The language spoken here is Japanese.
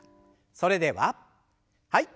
それでははい。